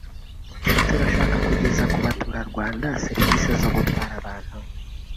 Turashaka kugeza ku baturarwanda serivisi zo gutwara abantu